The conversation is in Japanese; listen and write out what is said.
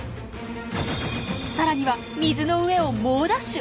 さらには水の上を猛ダッシュ。